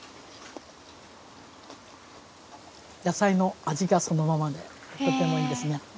野菜の味がそのままでとてもいいですね。